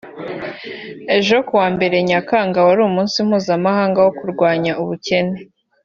Ejo ku wa mbere Nyakanga wari umunsi mpuzamahanga wo kurwanya ubukene